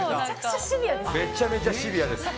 めちゃくちゃシビアですね。